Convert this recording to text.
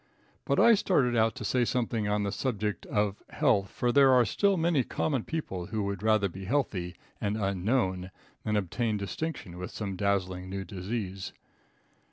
But I started out to say something on the subject of health, for there are still many common people who would rather be healthy and unknown than obtain distinction with some dazzling new disease.